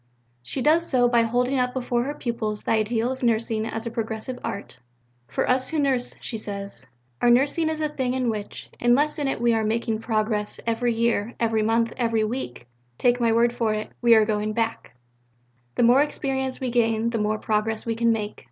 She does so by holding up before her pupils the ideal of nursing as a progressive art. "For us who nurse," she says, "our nursing is a thing in which, unless in it we are making progress every year, every month, every week, take my word for it, we are going back. The more experience we gain, the more progress we can make.